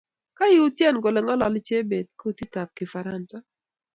Kyautyen kole ngololi Chebet kutitab kifaransa